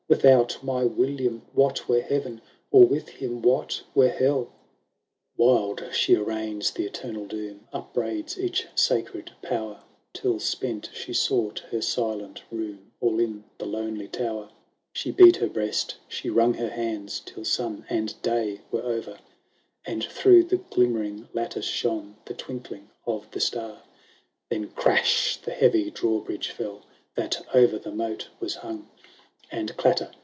Without my William what were heaven, Or with him what were hell ?" 712 WILLIAM AND HELEN. XXII Wild she arraigns the eternal doom, Upbraids each sacred power, Till, spent, she sought her silent room All in the lonely tower. She beat her breast, she wrung her hands, Till sun and day were o'er, And through the glimmering lattice shone The twinkling of the star. XXIV Then, crash ! the heavy drawbridge fell, That o'er the moat was hung ; And, clatter